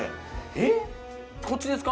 えっこっちですか？